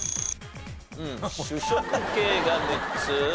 主食系が６つ。